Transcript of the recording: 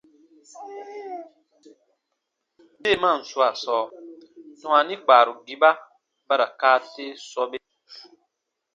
Deemaan swaa sɔɔ, dwaani kpaarugiba ba ra kaa te sɔbe.